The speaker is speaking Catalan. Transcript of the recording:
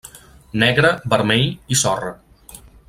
Negre, vermell i sorra.